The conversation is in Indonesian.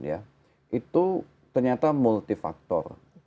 itu ternyata multifaktor